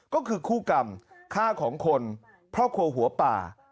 ก็คือคู่กรรมฆ่าของคนครอบครัวหัวป่า